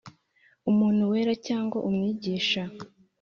umuntu wera cyangwa umwigisha